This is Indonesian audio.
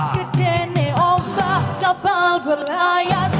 kejane ombak kapal berlayar